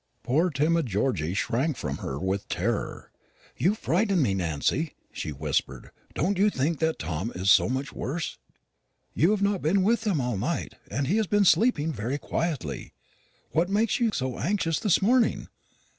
Poor timid Georgy shrank from her with terror. "You frighten me, Nancy," she whispered; "do you think that Tom is so much worse? You have not been with him all night; and he has been sleeping very quietly. What makes you so anxious this morning?"